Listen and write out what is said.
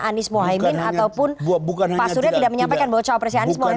anis mohaimin ataupun pak surya tidak menyampaikan bahwa cowok presiden anis mohaimin